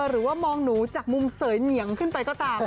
หรือว่ามองหนูจากมุมเสยเหนียงขึ้นไปก็ตาม